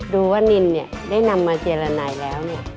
ดูว่านินได้นำมาเจรนัยแล้ว